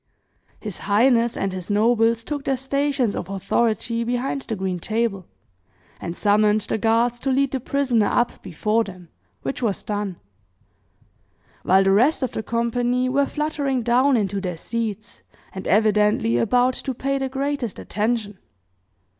His highness and his nobles took their stations of authority behind the green table, and summoned the guards to lead the prisoner up before them, which was done; while the rest of the company were fluttering down into their seats, and evidently about to pay the greatest attention.